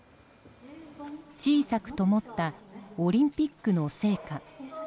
小さくともったオリンピックの聖火。